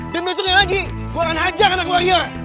dan besoknya lagi gua akan hajar anak warrior